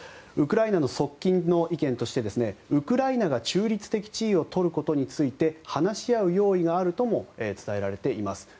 ウクライナの側近の意見としてウクライナが中立的地位を取ることについて話し合う用意があるとも伝えられています。